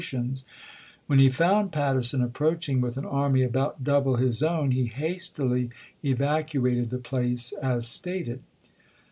tions," when he found Patterson approaching with an army about double his own he hastily evacuated the place, as stated.